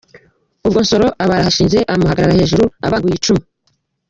Ubwo Nsoro aba arahashinze amuhagarara hejuru abanguye icumu.